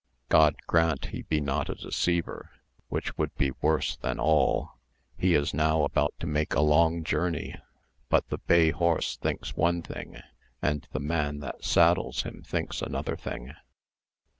God grant he be not a deceiver, which would be worse than all. He is now about to make a long journey; but the bay horse thinks one thing, and the man that saddles him thinks another thing.